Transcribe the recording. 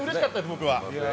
僕は。